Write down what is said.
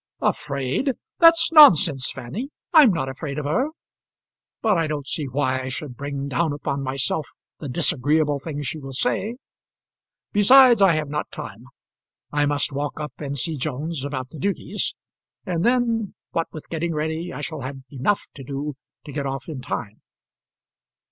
"Afraid! That's nonsense, Fanny. I'm not afraid of her. But I don't see why I should bring down upon myself the disagreeable things she will say. Besides, I have not time. I must walk up and see Jones about the duties; and then, what with getting ready, I shall have enough to do to get off in time."